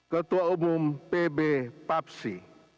ketua umum pb papsi